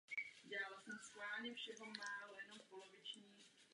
Škola je zapojena do projektu Adopce na dálku.